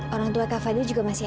orang tua kak fadil juga masih ada